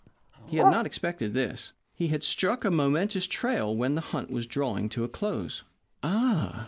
He had not expected this. He had struck a momentous trail when the hunt was drawing to a close. "Ah!"